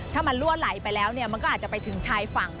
ถ้ามันรั่วไหลไปแล้วเนี่ยมันก็อาจจะไปถึงชายฝั่ง